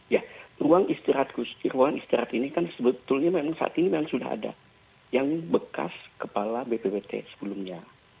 ya ruang istirahat ini kan sebetulnya memang saat ini memang sudah ada yang bekas kepala bppt sebelumnya